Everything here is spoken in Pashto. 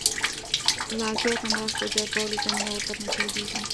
لا زیاتو مرستو جذبولو زمینه ورته مساعدېږي.